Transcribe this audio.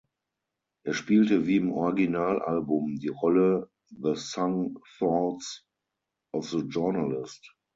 Er spielte wie im Original-Album die Rolle „The Sung Thoughts of the Journalist“.